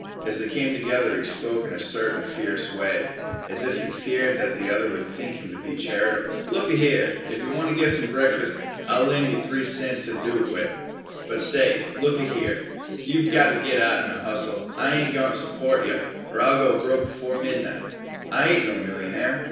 As they came together he spoke in a certain fierce way, as if he feared that the other would think him to be charitable. "Look a here, if yeh wanta git some breakfas' I'll lend yeh three cents t' do it with. But say, look a here, you've gota git out an' hustle. I ain't goin' t' support yeh, or I'll go broke b'fore night. I ain't no millionaire."